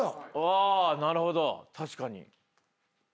あなるほど確かに。